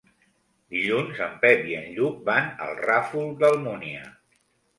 Dilluns en Pep i en Lluc van al Ràfol d'Almúnia.